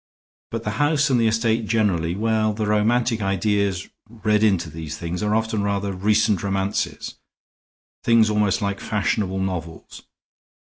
But the house and the estate generally well the romantic ideas read into these things are often rather recent romances, things almost like fashionable novels.